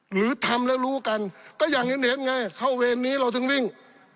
หรือทำแล้วรู้กันก็อย่างเห็นไงเข้าเวรนี้เราถึงวิ่ง